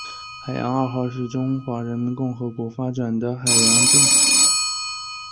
海洋二号是中华人民共和国发展的海洋动力环境监测卫星。